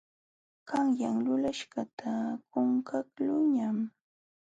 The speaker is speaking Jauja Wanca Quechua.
Qanyan lulaśhqata qunqaqluuñam.